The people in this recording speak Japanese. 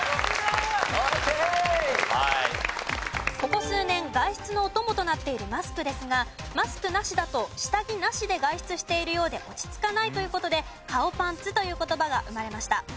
ここ数年外出のお供となっているマスクですがマスクなしだと下着なしで外出しているようで落ち着かないという事で顔パンツという言葉が生まれました。